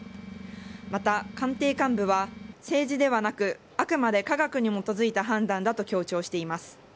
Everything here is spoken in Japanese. また、官邸幹部は、政治ではなく、あくまで科学に基づいた判断だと強調しています。